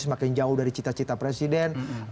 semakin jauh dari cita cita presiden